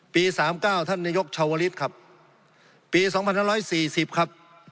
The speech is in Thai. ปี๓๙ท่านนโยคชาวลิศครับปี๒๖๔๐ครับ